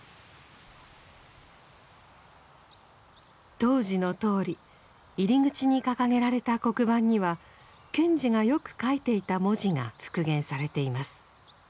当時のとおり入り口に掲げられた黒板には賢治がよく書いていた文字が復元されています。